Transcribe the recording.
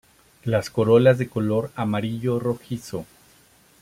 Las corolas de color amarillo rojizo.